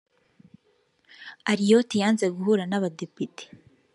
Ayrault yanze guhura n’Abadepite